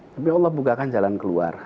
tapi allah bukakan jalan keluar